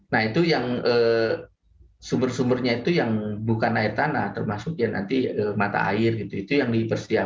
nah itu yang sumber sumbernya itu yang bukan air tanah termasuk yang nanti mata air gitu itu yang dipersiapkan